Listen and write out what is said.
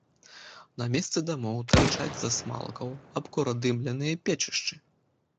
На месцы дамоў тырчаць з асмалкаў абкуродымленыя печышчы.